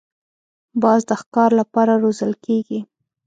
باز د ښکار له پاره روزل کېږي